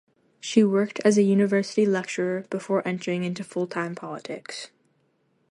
She worked as a university lecturer before entering into full-time politics.